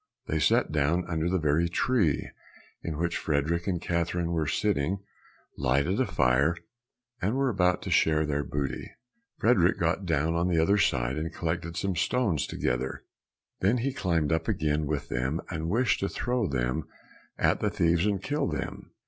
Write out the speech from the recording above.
They sat down under the very tree in which Frederick and Catherine were sitting, lighted a fire, and were about to share their booty. Frederick got down on the other side and collected some stones together. Then he climbed up again with them, and wished to throw them at the thieves and kill them.